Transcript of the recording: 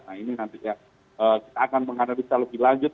nah ini nanti ya kita akan mengandalkan lebih lanjut